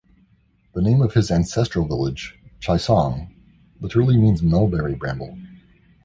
The name of his ancestral village, "Chaisang", literally means "Mulberry-Bramble".